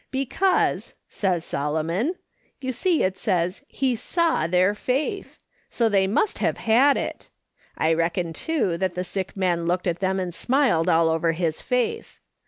Because,' says Solomon, ' you see it says he saw their faith ; so they must have had it. I reckon, too, that the sick man looked at them and smiled all over his face.